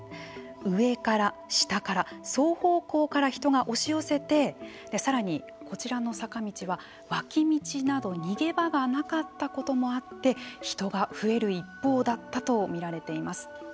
上から下から双方向から人が押し寄せてさらにこちらの坂道は脇道など逃げ場がなかったこともあって人が増える一方だったと見られています。